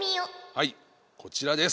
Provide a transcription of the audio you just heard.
はいこちらです。